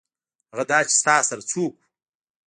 هغه دا چې ستا سره څوک وو.